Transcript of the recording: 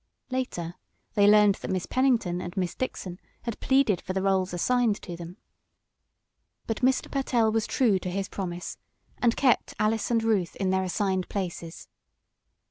Later they learned that Miss Pennington and Miss Dixon had pleaded for the rôles assigned to them. But Mr. Pertell was true to his promise, and kept Alice and Ruth in their assigned places.